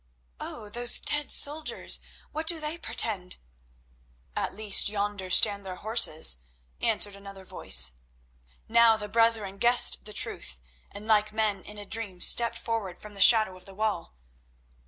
"Oh, those dead soldiers—what do they portend?" "At least yonder stand their horses," answered another voice. Now the brethren guessed the truth, and, like men in a dream, stepped forward from the shadow of the wall.